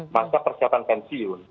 masa persiapan pensiun